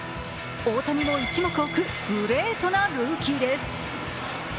大谷も一目置くグレートなルーキーです。